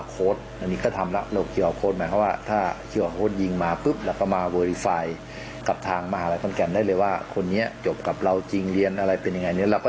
ก็ถือว่าเป็นมหาวิทยาลัยแรก